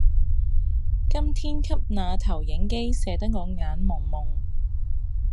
今天給那投影機射得我眼濛濛